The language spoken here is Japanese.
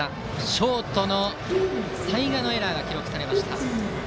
ショートの齊賀のエラーが記録されました。